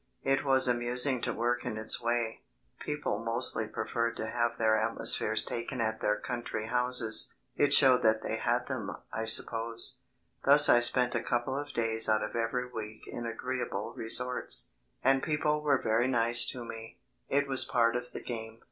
It was amusing work in its way; people mostly preferred to have their atmospheres taken at their country houses it showed that they had them, I suppose. Thus I spent a couple of days out of every week in agreeable resorts, and people were very nice to me it was part of the game.